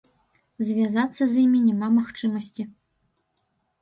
Звязацца з імі няма магчымасці.